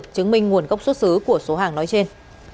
chứng minh nguồn gốc xuất xứ của số hàng nói trên